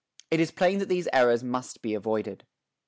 It is plain that these errors must be avoided.